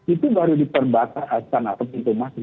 itu baru diperbataskan atau pintu masing masing